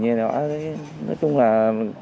nói chung là khó